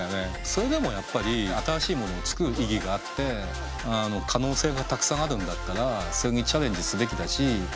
それでもやっぱり新しいものを作る意義があって可能性がたくさんあるんだったらそれにチャレンジすべきだし。